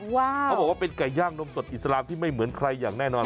เขาบอกว่าเป็นไก่ย่างนมสดอิสลามที่ไม่เหมือนใครอย่างแน่นอน